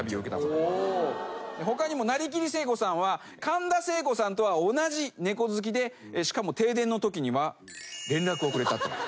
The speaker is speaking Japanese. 他にもなりきり聖子さんは神田聖子さんとは同じ猫好きでしかも停電のときには連絡をくれたと。